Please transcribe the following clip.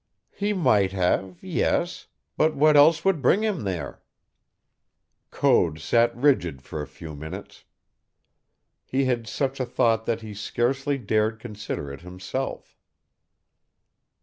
"He might have, yes, but what else would bring him there?" Code sat rigid for a few minutes. He had such a thought that he scarcely dared consider it himself.